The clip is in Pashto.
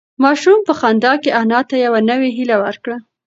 ماشوم په خندا کې انا ته یوه نوې هیله ورکړه.